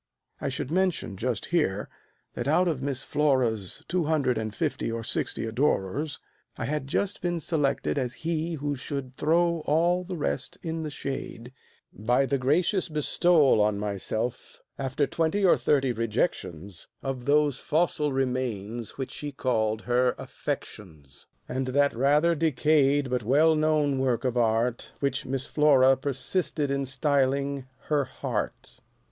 I should mention just here, that out of Miss Flora's Two hundred and fifty or sixty adorers, I had just been selected as he who should throw all The rest in the shade, by the gracious bestowal On myself, after twenty or thirty rejections, Of those fossil remains which she called her "affections," And that rather decayed but well known work of art Which Miss Flora persisted in styling her "heart."